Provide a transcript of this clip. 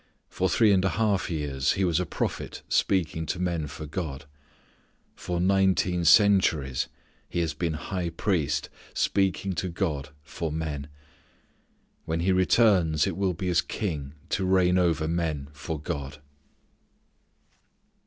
For three and a half years He was a prophet speaking to men for God. For nineteen centuries He has been high priest speaking to God for men. When He returns it will be as King to reign over men for God.